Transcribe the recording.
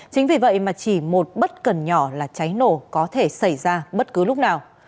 chính vì vậy mà chỉ một bất cần nhỏ là cháy nổ có thể xảy ra bất cứ lúc nào